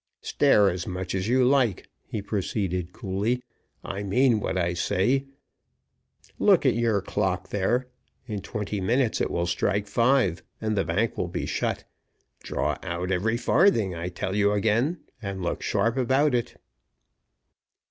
"Stare as much as you like," he proceeded, coolly, "I mean what I say. Look at your clock there. In twenty minutes it will strike five, and the bank will be shut. Draw out every farthing, I tell you again, and look sharp about it."